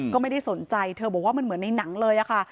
ก็ไม่ได้สนใจเธอบอกว่ามันเหมือนในหนังเลยค่ะ